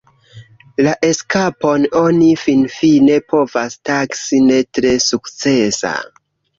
La eskapon oni finfine povas taksi ne tre sukcesa.